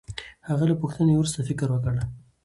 هغه له پوښتنې وروسته فکر وکړ.